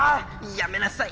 やめなさい！